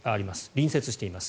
隣接しています。